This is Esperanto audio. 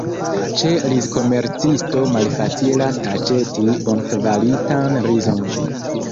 Ĉe rizkomercisto malfacilas aĉeti bonkvalitan rizon.